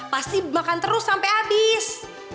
pasti makan terus sampe abis